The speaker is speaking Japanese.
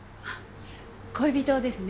恋人ですね。